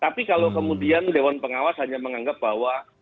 tapi kalau kemudian dewan pengawas hanya menganggap bahwa